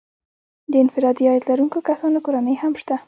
د انفرادي عاید لرونکو کسانو کورنۍ هم شته